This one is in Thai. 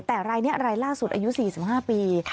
แต่รายนี้รายล่าสุดอายุ๔๕ปี